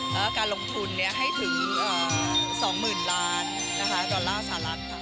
และการลงทุนให้ถึง๒๐๐๐๐ล้านดอลลาร์๓ล้านบาทค่ะ